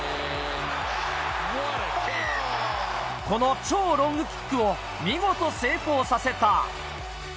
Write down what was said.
この超ロングキックを見事成功させた。